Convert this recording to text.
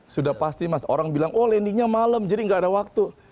sudah pasti mas orang bilang oh landingnya malam jadi gak ada waktu